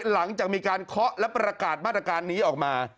หลังจากมีการเคาะและประกาศมาตรการนี้ออกมา